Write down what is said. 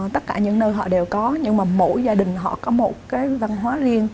tất cả những nơi họ đều có nhưng mà mỗi gia đình họ có một cái văn hóa riêng